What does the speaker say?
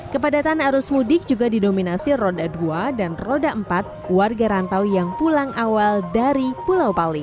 kepadatan arus mudik juga didominasi roda dua dan roda empat warga rantau yang pulang awal dari pulau pali